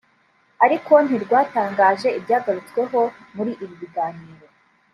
ariko ntirwatangaje ibyagarutsweho muri ibi biganiro